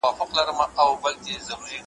پر خپل ځان باندي پرهېز یې وو تپلی ,